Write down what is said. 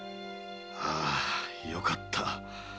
ああよかった